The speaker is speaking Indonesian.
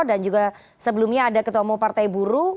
dan juga sebelumnya ada ketemu partai buruh